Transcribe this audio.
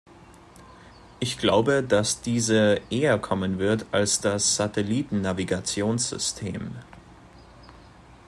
Ich glaube, dass diese eher kommen wird, als das Satellitennavigationssystem.